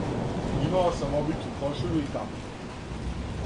Имао сам обичну кошуљу и капу.